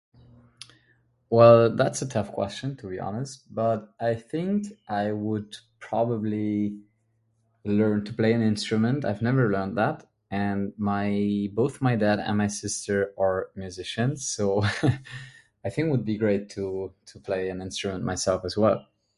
While that's a tough question, to be honest. But I think I would probably... learn to play an instrument. I've never done that and my - both my dad and my sister are musicians so -haha - I think it would be great to, to play an instrument myself as well.